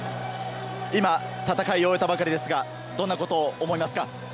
今、戦い終えたばかりですが、どんなことを思いますか？